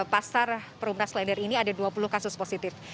pasar perumrah klender ini ada dua puluh kasus positif